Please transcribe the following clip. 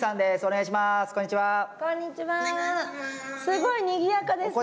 すごいにぎやかですね。